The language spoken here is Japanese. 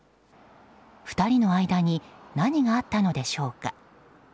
２人の間に何があったのでしょうか。